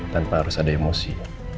tanpa harus ada emosi